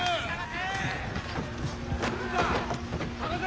捜せ！